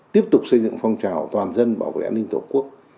tiếp tục xây dựng phong trào toàn dân bảo vệ an ninh tổ quốc